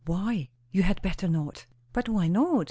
"Why?" "You had better not." "But why not?